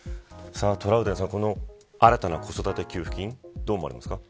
トラウデンさん、この新たな子育て給付金どう思われますか。